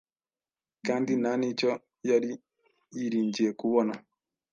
kandi nta n’icyo yari yiringiye kubona.